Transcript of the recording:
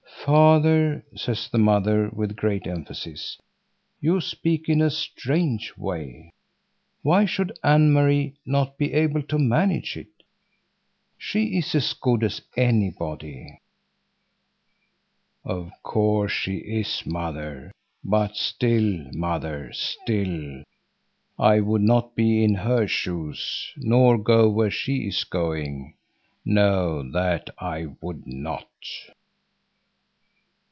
"Father," says the mother with great emphasis, "you speak in a strange way. Why should Anne Marie not be able to manage it? She is as good as anybody." "Of course she is, mother; but still, mother, still—I would not be in her shoes, nor go where she is going. No, that I would not!"